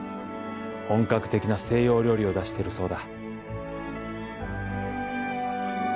本格的な西洋料理を出してるそうだ